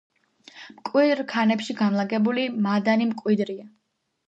მკვიდრ ქანებში განლაგებული მადანი მკვიდრია.